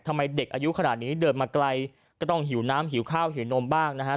ทำไมเด็กอายุขนาดนี้เดินมาไกลก็ต้องหิวน้ำหิวข้าวหิวนมบ้างนะฮะ